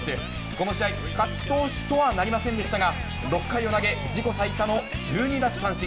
この試合、勝ち投手とはなりませんでしたが、６回を投げ、自己最多の１２奪三振。